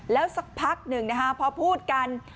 แล้วสักพักหนึ่งนะคะพอพูดกัน